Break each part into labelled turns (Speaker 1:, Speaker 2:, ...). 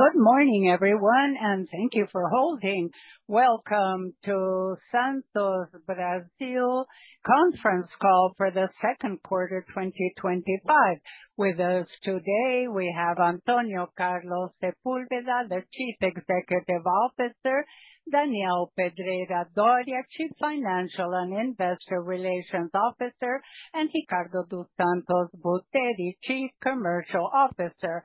Speaker 1: Good morning, everyone, and thank you for holding. Welcome to the Santos Brasil Conference Call for the Second Quarter 2025. With us today, we have Antônio Carlos Sepúlveda, the Chief Executive Officer; Daniel Pedreira Doria, Chief Financial and Investor Relations Officer; and Ricardo dos Santos Buteri, Chief Commercial Officer.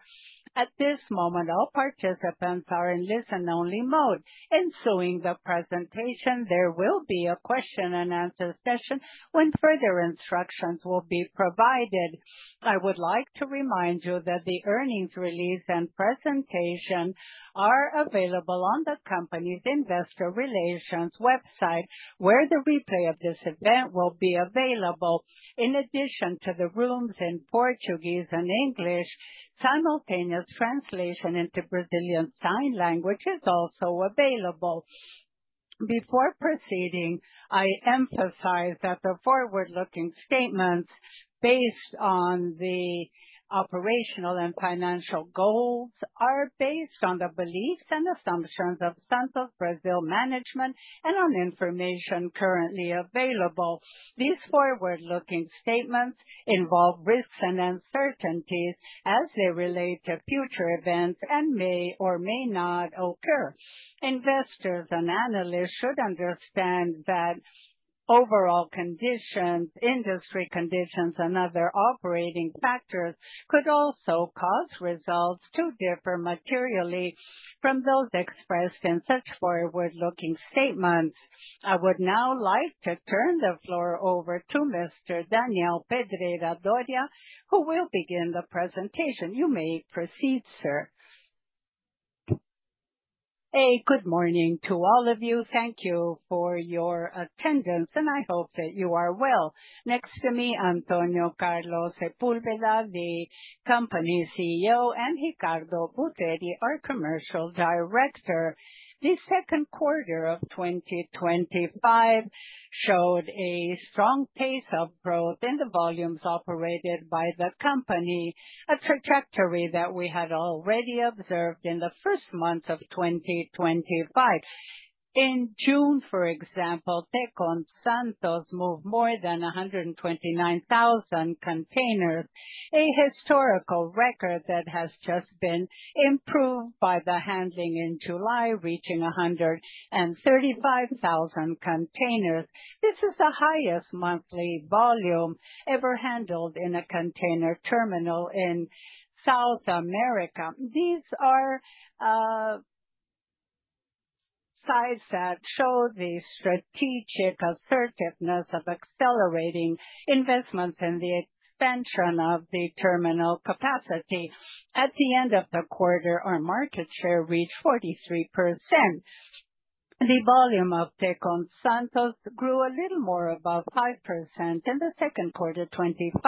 Speaker 1: At this moment, all participants are in listen-only mode. Ensuing the presentation, there will be a question and answer session when further instructions will be provided. I would like to remind you that the earnings release and presentation are available on the company's Investor Relations website, where the replay of this event will be available. In addition to the rooms in Portuguese and English, simultaneous translation into Brazilian sign language is also available. Before proceeding, I emphasize that the forward-looking statements, based on the operational and financial goals, are based on the beliefs and assumptions of Santos Brasil management and on information currently available. These forward-looking statements involve risks and uncertainties as they relate to future events and may or may not occur. Investors and analysts should understand that overall conditions, industry conditions, and other operating factors could also cause results to differ materially from those expressed in such forward-looking statements. I would now like to turn the floor over to Mr. Daniel Pedreira Doria, who will begin the presentation. You may proceed, sir.
Speaker 2: A good morning to all of you. Thank you for your attendance, and I hope that you are well. Next to me, Antônio Carlos Sepúlveda, the company CEO, and Ricardo dos Santos Buteri, our Chief Commercial Officer. The second quarter of 2025 showed a strong pace of growth in the volumes operated by the company, a trajectory that we had already observed in the first month of 2025. In June, for example, Tecon Santos moved more than 129,000 containers, a historical record that has just been improved by the handling in July, reaching 135,000 containers. This is the highest monthly volume ever handled in a container terminal in South America. These are signs that show the strategic assertiveness of accelerating investments in the expansion of the terminal capacity. At the end of the quarter, our market share reached 43%. The volume of Tecon Santos grew a little more above 5% in the second quarter of 2025.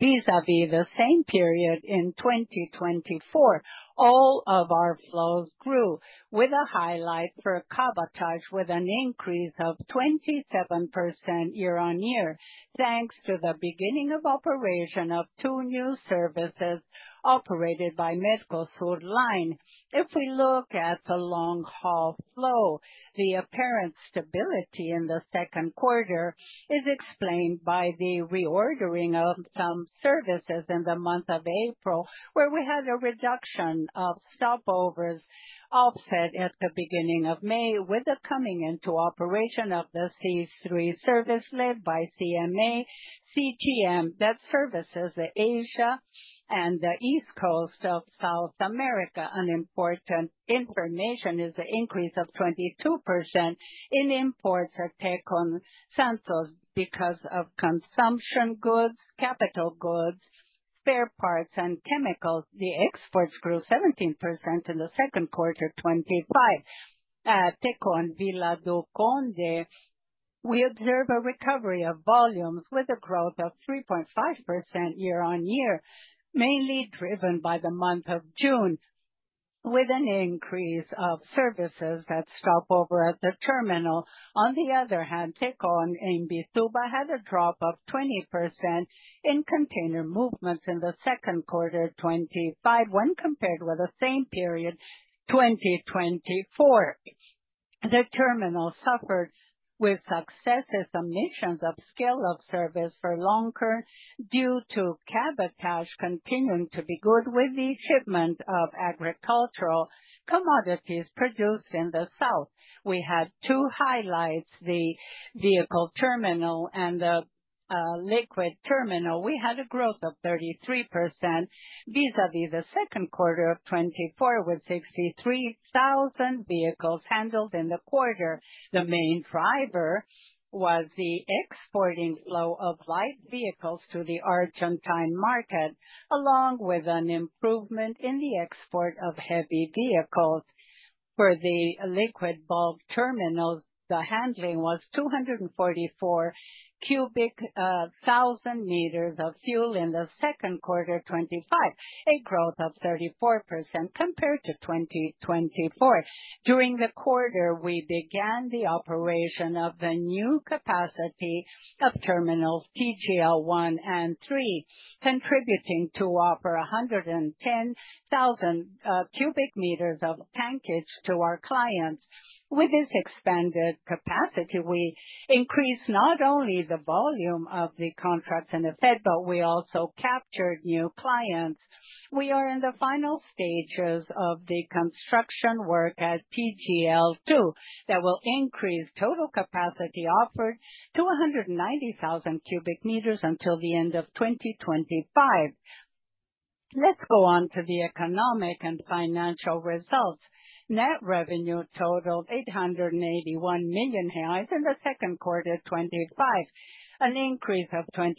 Speaker 2: Vis-à-vis the same period in 2024, all of our flows grew, with a highlight for cabotage with an increase of 27% year-on-year, thanks to the beginning of operation of two new services operated by Mezcal Sur Line. If we look at the long-haul flow, the apparent stability in the second quarter is explained by the reordering of some services in the month of April, where we had a reduction of stopovers, offset at the beginning of May with the coming into operation of the C3 service led by CMA CGM that services Asia and the East Coast of South America. An important information is the increase of 22% in imports for Tecon Santos because of consumption goods, capital goods, spare parts, and chemicals. The exports grew 17% in the second quarter of 2025. At Tecon Vila do Conde, we observe a recovery of volumes with a growth of 3.5% year-on-year, mainly driven by the month of June, with an increase of services that stop over at the terminal. On the other hand, Tecon Imbituba had a drop of 20% in container movements in the second quarter of 2025 when compared with the same period of 2024. The terminal suffered with successive omissions of scale of service for longer due to cabotage continuing to be good with the shipment of agricultural commodities produced in the South. We had two highlights: the Vehicle Terminal and the liquid terminal. We had a growth of 33% vis-à-vis the second quarter of 2024, with 63,000 vehicles handled in the quarter. The main driver was the exporting flow of light vehicles to the Argentine market, along with an improvement in the export of heavy vehicles. For the Liquid Bulk Terminals, the handling was 244,000 meters of fuel in the second quarter of 2025, a growth of 34% compared to 2024. During the quarter, we began the operation of the new capacity of terminals TGL 1 and TGL 3, contributing to offer 110,000 cubic meters of tankage to our clients. With this expanded capacity, we increased not only the volume of the contracts in effect, but we also captured new clients. We are in the final stages of the construction work at TGL 2 that will increase total capacity offered to 190,000 cubic meters until the end of 2025. Let's go on to the economic and financial results. Net revenue totaled 881 million reais in the second quarter of 2025, an increase of 25%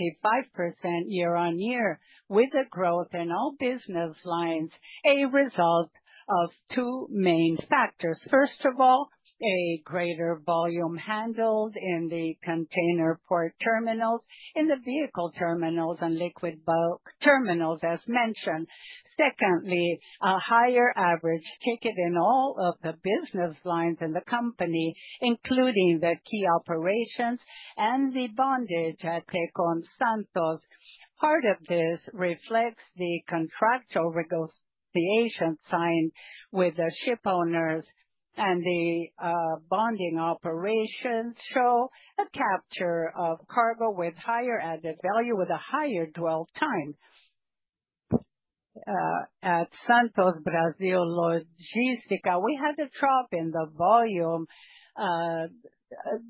Speaker 2: year-on-year, with a growth in all business lines, a result of two main factors. First of all, a greater volume handled in the container port terminals, in the vehicle terminals, and Liquid Bulk Terminals, as mentioned. Secondly, a higher average ticket in all of the business lines in the company, including the key operations and the bondage at Tecon Santos. Part of this reflects the contractual negotiation signed with the shipowners, and the bonding operations show a capture of cargo with higher added value with a higher dwell time. At Santos Brasil Logística, we had a drop in the volume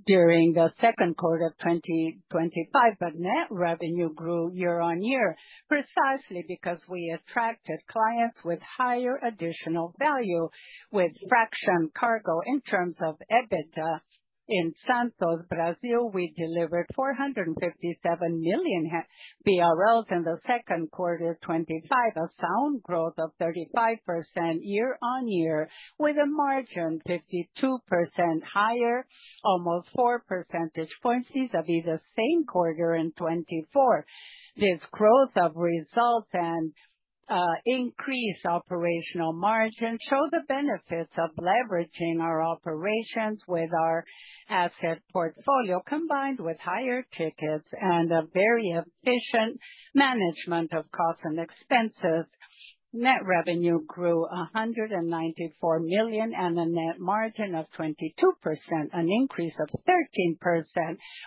Speaker 2: during the second quarter of 2025, but net revenue grew year-on-year precisely because we attracted clients with higher additional value with fraction cargo. In terms of EBITDA in Santos Brasil, we delivered 457 million BRL in the second quarter of 2025, a sound growth of 35% year-on-year, with a margin 52% higher, almost 4 percentage points vis-à-vis the same quarter in 2024. This growth of result and increased operational margin show the benefits of leveraging our operations with our asset portfolio, combined with higher tickets and a very efficient management of costs and expenses. Net revenue grew 194 million and a net margin of 22%, an increase of 13%.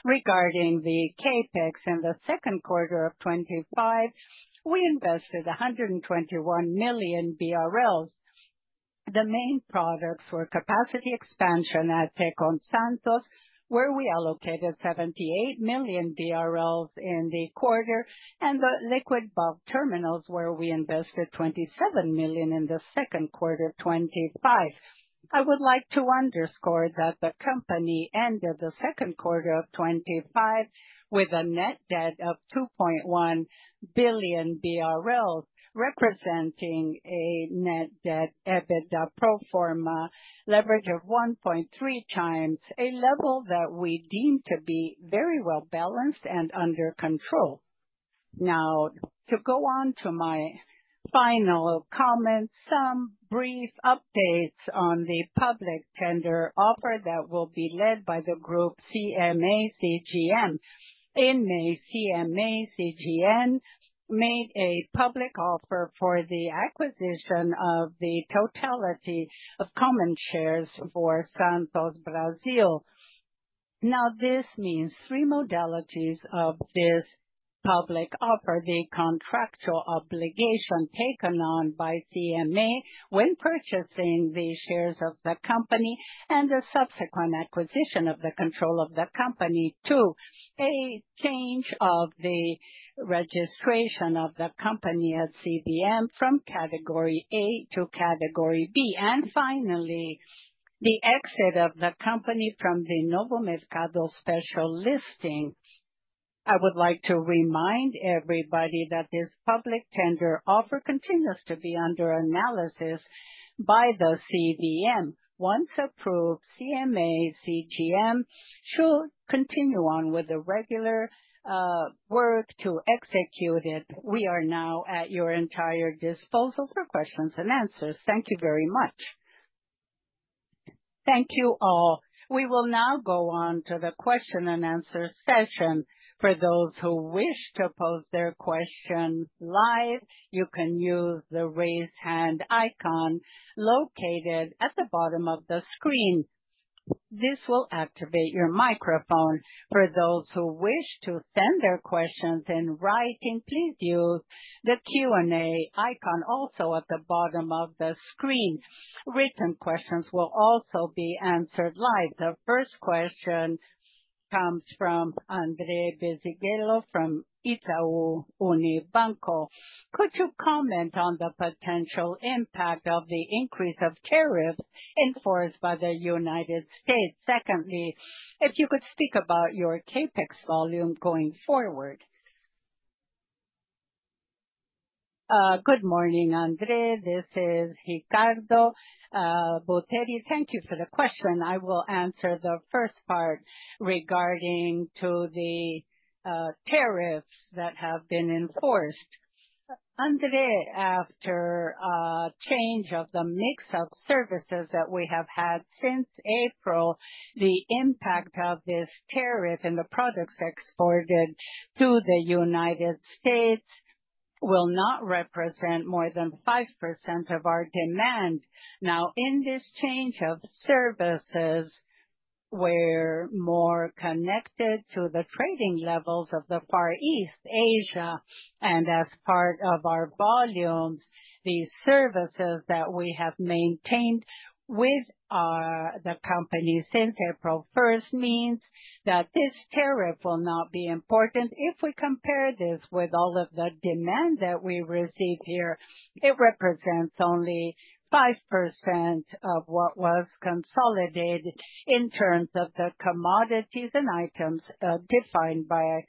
Speaker 2: Regarding the CapEx in the second quarter of 2025, we invested 121 million BRL. The main products were capacity expansion at Tecon Santos, where we allocated 78 million in the quarter, and the Liquid Bulk Terminals, where we invested 27 million in the second quarter of 2025. I would like to underscore that the company ended the second quarter of 2025 with a net debt of 2.1 billion BRL, representing a net debt/EBITDA pro forma leverage of 1.3x, a level that we deem to be very well balanced and under control. Now, to go on to my final comments, some brief updates on the public tender offer that will be led by the group CMA CGM. In May, CMA CGM made a public offer for the acquisition of the totality of common shares for Santos Brasil. Now, this means three modalities of this public offer: the contractual obligation taken on by CMA CGM when purchasing the shares of the company and the subsequent acquisition of the control of the company, two, a change of the registration of the company at CVM from Category A to Category B, and finally, the exit of the company from the Novo Mercado Special Listing. I would like to remind everybody that this public tender offer continues to be under analysis by the CVM. Once approved, CMA CGM should continue on with the regular work to execute it. We are now at your entire disposal for questions and answers. Thank you very much.
Speaker 1: Thank you all. We will now go on to the question and answer session. For those who wish to pose their question live, you can use the raise hand icon located at the bottom of the screen. This will activate your microphone. For those who wish to send their questions in writing, please use the Q&A icon also at the bottom of the screen. Written questions will also be answered live. The first question comes from Andre Beziguelo from Itaú Unibanco.
Speaker 3: Could you comment on the potential impact of the increase of tariffs enforced by the United States? Secondly, if you could speak about your CapEx volume going forward.
Speaker 4: Good morning, Andre. This is Ricardo Buteri. Thank you for the question. I will answer the first part regarding the tariffs that have been enforced. Andre, after the change of the mix of services that we have had since April, the impact of this tariff in the products exported to the United States will not represent more than 5% of our demand. In this change of services, we're more connected to the trading levels of the Far East, Asia, and as part of our volumes, the services that we have maintained with the company since April 1 means that this tariff will not be important. If we compare this with all of the demand that we receive here, it represents only 5% of what was consolidated in terms of the commodities and items defined by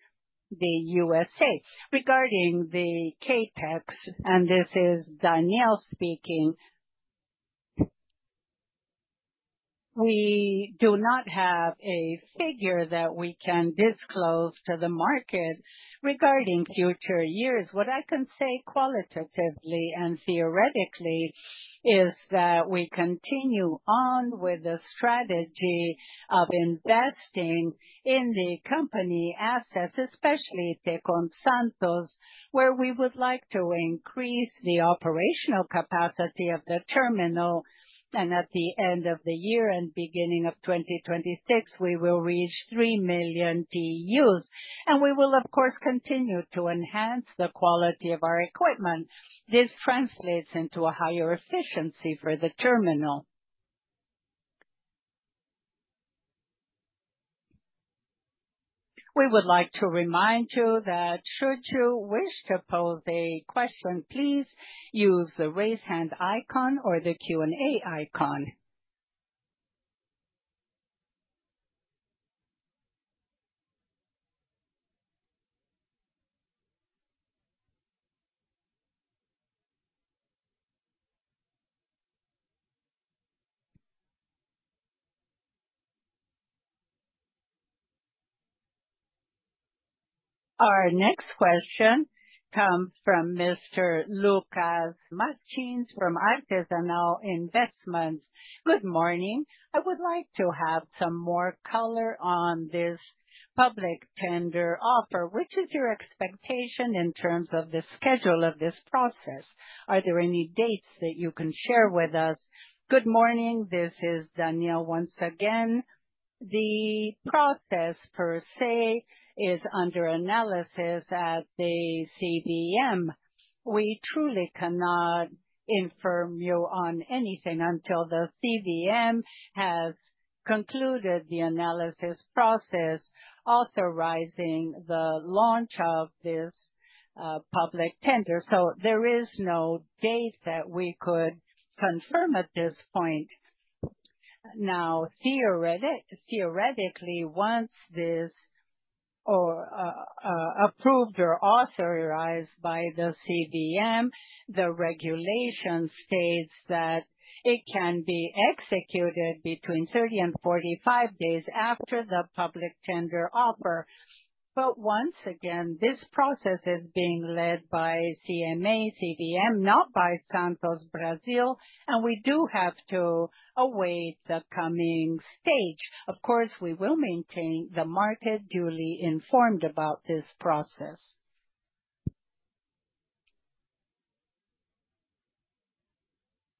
Speaker 4: the USA regarding the CapEx.
Speaker 2: And this is Daniel speaking. We do not have a figure that we can disclose to the market regarding future years. What I can say qualitatively and theoretically is that we continue on with the strategy of investing in the company assets, especially Tecon Santos, where we would like to increase the operational capacity of the terminal. At the end of the year and beginning of 2026, we will reach 3 million TEUs, and we will, of course, continue to enhance the quality of our equipment. This translates into a higher efficiency for the terminal.
Speaker 1: We would like to remind you that should you wish to pose a question, please use the raise hand icon or the Q&A icon. Our next question comes from Mr. Lucas Martins from Artesanal Investments.
Speaker 5: Good morning. I would like to have some more color on this public tender offer. What is your expectation in terms of the schedule of this process? Are there any dates that you can share with us?
Speaker 2: Good morning. This is Daniel Pedreira Doria once again. The process per se is under analysis at the CVM. We truly cannot inform you on anything until the CVM has concluded the analysis process authorizing the launch of this public tender. There is no date that we could confirm at this point. Theoretically, once this is approved or authorized by the CVM, the regulation states that it can be executed between 30 and 45 days after the public tender offer. This process is being led by CMA CGM, not by Santos Brasil. And we do have to await the coming stage. Of course, we will maintain the market duly informed about this process.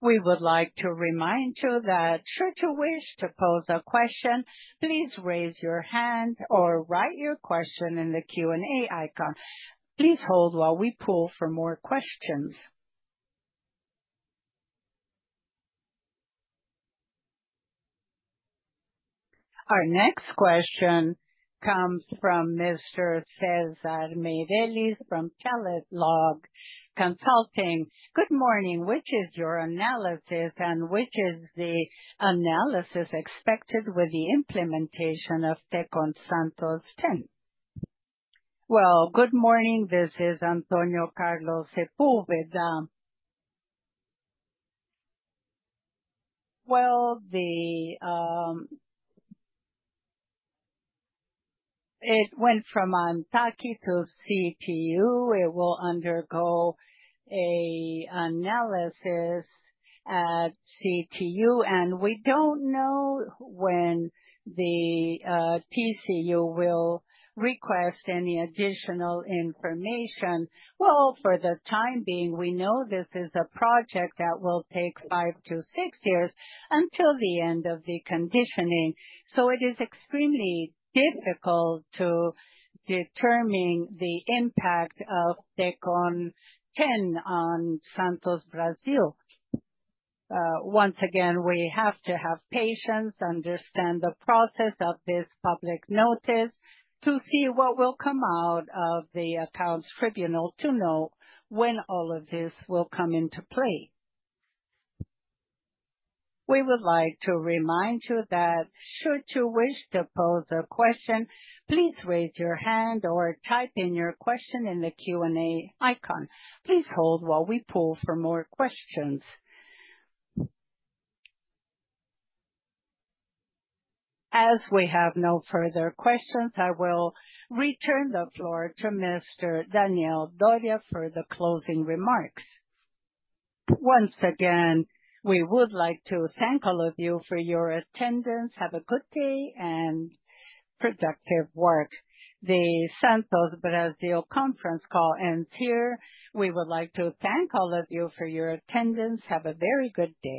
Speaker 1: We would like to remind you that should you wish to pose a question, please raise your hand or write your question in the Q&A icon. Please hold while we pull for more questions. Our next question comes from Mr. César Meireles from Pellet Log Consulting. Good morning. What is your analysis and what is the analysis expected with the implementation of Tecon Santos?
Speaker 6: Good morning. This is Antônio Carlos Sepúlveda. It went from Antaki to CPU. It will undergo an analysis at CPU, and we don't know when the TCU will request any additional information. For the time being, we know this is a project that will take five to six years until the end of the conditioning. It is extremely difficult to determine the impact of Tecon 10 on Santos Brasil. Once again, we have to have patience, understand the process of this public notice to see what will come out of the accounts tribunal to know when all of this will come into play.
Speaker 1: We would like to remind you that should you wish to pose a question, please raise your hand or type in your question in the Q&A icon. Please hold while we pull for more questions. As we have no further questions, I will return the floor to Mr. Daniel Pedreira Doria for the closing remarks.
Speaker 2: Once again, we would like to thank all of you for your attendance. Have a good day and productive work. The Santos Brasil Conference Call ends here. We would like to thank all of you for your attendance. Have a very good day.